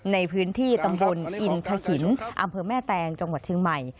ในพื้นที่ตำบลอินทะขินอำเภอแม่แตงจังหวัดเชียงใหม่